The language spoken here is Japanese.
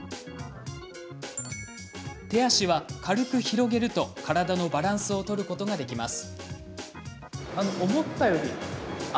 手足は軽く広げると、体のバランスを取ることができます。